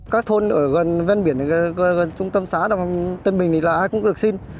các thôn ở gần ven biển này gần trung tâm xá đồng tân bình này là ai cũng được sinh